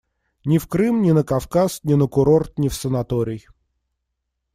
Ни в Крым, ни на Кавказ, ни на курорт, ни в санаторий.